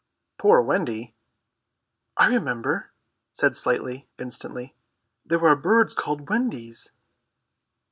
'" "Poor Wendy?" "I remember," said Slightly instantly, "there are birds called Wendies."